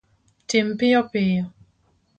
Tim piyo piyo